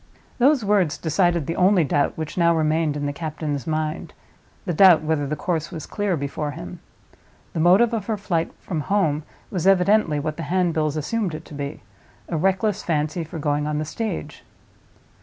Those words decided the only doubt which now remained in the captain's mind—the doubt whether the course was clear before him. The motive of her flight from home was evidently what the handbills assumed it to be—a reckless fancy for going on the stage.